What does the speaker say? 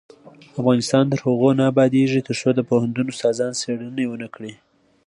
افغانستان تر هغو نه ابادیږي، ترڅو د پوهنتون استادان څیړنې ونکړي.